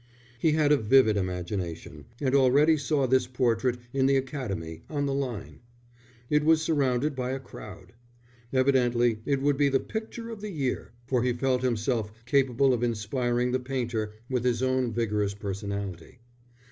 He had a vivid imagination, and already saw this portrait in the Academy, on the line. It was surrounded by a crowd. Evidently it would be the picture of the year, for he felt himself capable of inspiring the painter with his own vigorous personality.